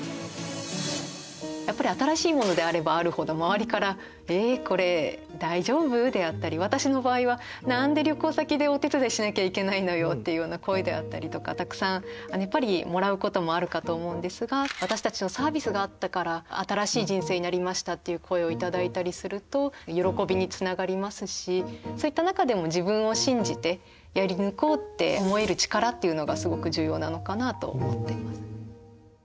やっぱり新しいものであればあるほど周りから「えこれだいじょうぶ？」であったり私の場合は「何で旅行先でお手伝いしなきゃいけないのよ」っていうような声であったりとかたくさんやっぱりもらうこともあるかと思うんですが私たちのサービスがあったから新しい人生になりましたっていう声を頂いたりすると喜びにつながりますしそういった中でも自分を信じてやりぬこうって思える力っていうのがすごく重要なのかなと思っています。